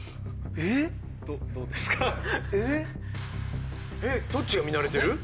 えっどっちが見慣れてる？